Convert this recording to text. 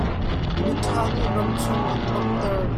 Mi ṭha nih ramchung an nomhter.